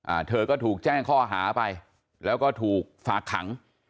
อ่าเธอก็ถูกแจ้งข้อหาไปแล้วก็ถูกฝากขัง